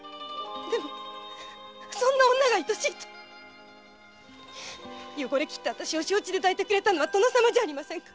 でもそんな女が愛しいと汚れきったあたしを承知で抱いてくれたのは殿様じゃありませんか！